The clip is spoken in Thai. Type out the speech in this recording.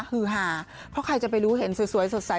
หาเพราะใครจะไปรู้เห็นสวยสดใส